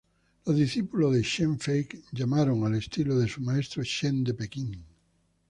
Los discípulos de Chen Fake llamaron al estilo de su maestro "Chen de Pekín".